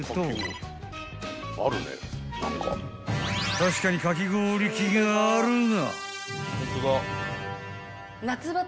［確かにかき氷器があるが］